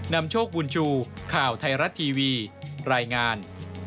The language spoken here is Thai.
นำโชคบุญชูข่าวไทยรัฐทีวีรายงาน